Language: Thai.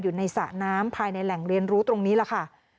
เจอสีแดงอยู่ในสระน้ำภายในแหล่งเรียนรู้ตรงนี้แหละค่ะ